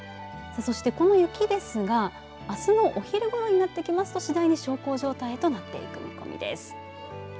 そして、この雪ですがあすのお昼ごろになってきますと次第に小康状態へとなっていく見込みです。